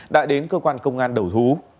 đã đến cơ quan công an đầu thú